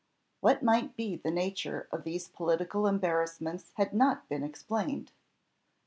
What might be the nature of these political embarrassments had not been explained.